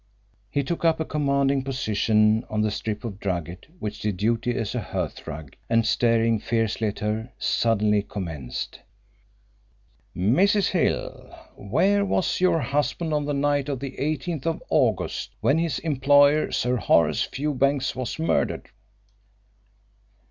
He took up a commanding position on the strip of drugget which did duty as a hearth rug, and staring fiercely at her, suddenly commenced: "Mrs. Hill, where was your husband on the night of the 18th of August, when his employer, Sir Horace Fewbanks, was murdered?"